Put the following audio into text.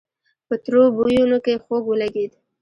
په تروو بويونو کې خوږ ولګېد.